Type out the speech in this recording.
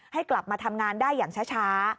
ให้กลับมาทำงานได้อย่างช้า